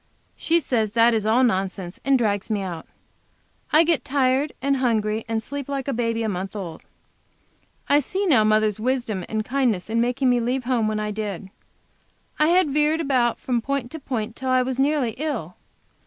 She says that is all nonsense, and drags me out. I get tired, and hungry, and sleep like a baby a month old. I see now mother's wisdom and kindness in making me leave home when I did. I had veered about from point to point till I was nearly ill.